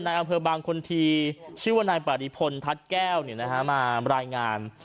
นายอำเภอบางคนทีชื่อว่านายปริพลทัศน์แก้วเนี้ยนะฮะมารายงาน